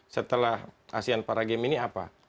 setelah asean para games ini apa